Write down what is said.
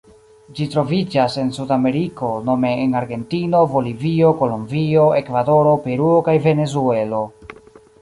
Ĝi troviĝas en Sudameriko nome en Argentino, Bolivio, Kolombio, Ekvadoro, Peruo kaj Venezuelo.